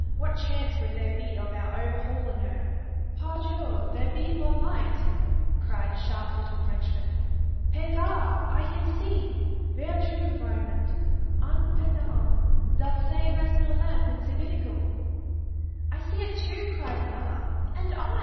What chance would there be of our overhaulin' her?" "Par Dieu! there be von light!" cried a sharp eyed little Frenchman. "Pe Gar! I him see. Ver true, vraiment! An pe dam! zat same est no lamp in ze binnacle!" "I see it too!" cried another. "And I!"